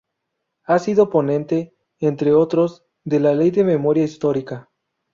Ha sido ponente, entre otros, de la ley de Memoria Histórica.